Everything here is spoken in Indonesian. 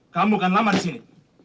kamu kan lama di sini